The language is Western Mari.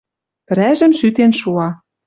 Прӓжӹм шӱтен шуа